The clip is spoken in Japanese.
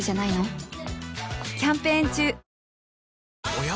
おや？